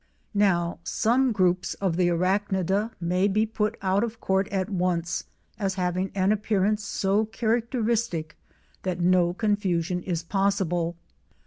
Now some groups of the Arachnida may be put out of court at once as having an appearance so characteristic that no confusion is possible.